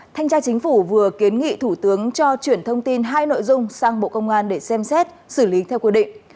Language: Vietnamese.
thanh tra chính phủ vừa kiến nghị thủ tướng cho chuyển thông tin hai nội dung sang bộ công an để xem xét xử lý theo quy định